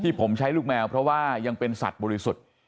ผมใช้ลูกแมวเพราะว่ายังเป็นสัตว์บริสุทธิ์